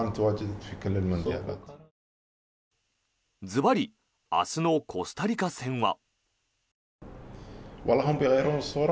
ずばり明日のコスタリカ戦は？